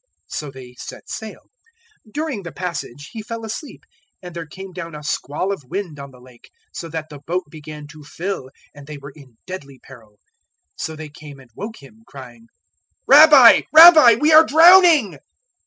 So they set sail. 002:023 During the passage He fell asleep, and there came down a squall of wind on the Lake, so that the boat began to fill and they were in deadly peril. 008:024 So they came and woke Him, crying, "Rabbi, Rabbi, we are drowning."